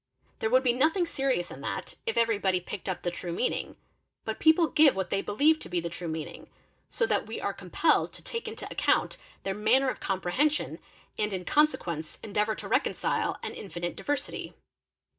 There would be nothing serious in that, if everybody picked up t true meaning; but people give what they believe to be the true "meaning, so that we are compelled to take into account their manner of comprehension and in consequence endeavour to reconcile an infinite diversity.